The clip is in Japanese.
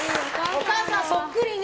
お母さん、そっくりね。